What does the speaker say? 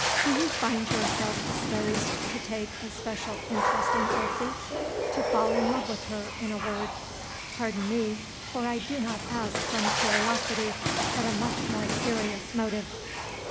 Do you find yourself disposed to take a special interest in Elsie, to fall in love with her, in a word? Pardon me, for I do not ask from curiosity, but a much more serious motive."